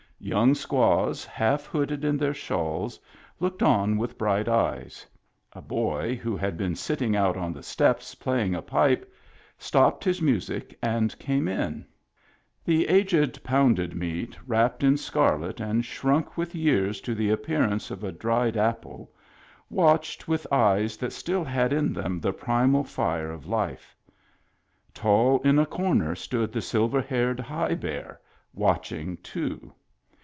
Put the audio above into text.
Young squaws, half hooded in their shawls, looked on with bright eyes ; a boy who had been sitting out on the steps playing a pipe, stopped his music, and came in ; the aged Pounded Meat, wrapped in scarlet and shrunk with years to the appearance of a dried apple, watched with eyes that still had in them the primal fire of life ; tall in a comer stood the silver haired High Bear, watching too.